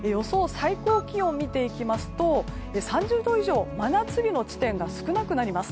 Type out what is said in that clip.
最高気温を見ていきますと３０度以上の真夏日の地点が少なくなります。